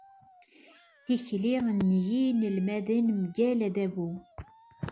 Tikli n yinelmaden mgal adabu.